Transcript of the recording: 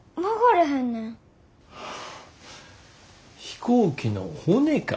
飛行機の骨か？